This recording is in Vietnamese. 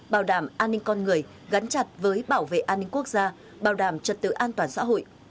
bảo đảm an ninh con người gắn chặt với bảo vệ an ninh quốc gia bảo đảm trật tự an toàn xã hội